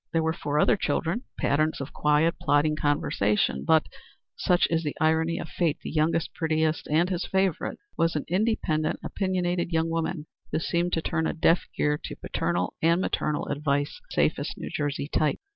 There were four other children, patterns of quiet, plodding conservatism, but such is the irony of fate the youngest, prettiest, and his favorite, was an independent, opinionated young woman, who seemed to turn a deaf ear to paternal and maternal advice of safest New Jersey type.